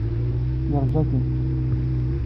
Yeṛja-kem.